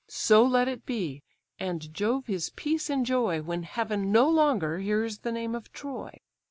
So let it be, and Jove his peace enjoy, When heaven no longer hears the name of Troy.